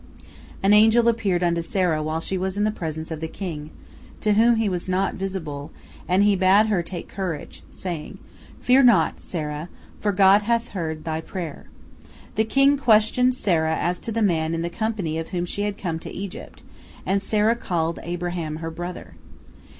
An angel appeared unto Sarah while she was in the presence of the king, to whom he was not visible, and he bade her take courage, saying, "Fear naught, Sarah, for God hath heard thy prayer." The king questioned Sarah as to the man in the company of whom she had come to Egypt, and Sarah called Abraham her brother.